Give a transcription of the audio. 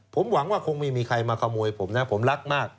ผมหวังว่าคงไม่มีใครมาขโมยผมนะผมรักมาก